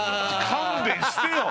勘弁してよ！